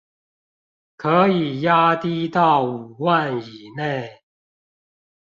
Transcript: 可以壓低到五萬以內